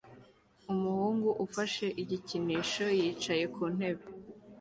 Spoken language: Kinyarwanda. Umuhungu ufashe igikinisho yicaye ku ntebe